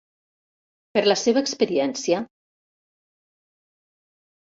Per la seva experiència...